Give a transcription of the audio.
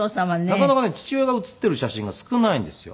なかなかね父親が写っている写真が少ないんですよ。